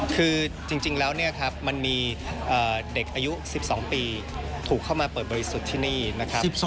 คือจริงแล้วเนี่ยครับมันมีเด็กอายุ๑๒ปีถูกเข้ามาเปิดบริสุทธิ์ที่นี่นะครับ